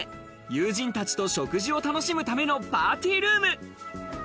友人たちと食事を楽しむためのパーティールーム。